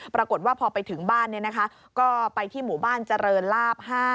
ปรากฏว่าพอไปถึงบ้านก็ไปที่หมู่บ้านเจริญลาบ๕